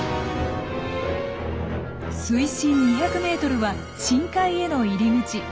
水深２００ｍは深海への入り口。